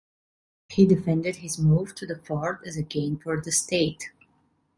He defended his move to the fort as a gain for the State.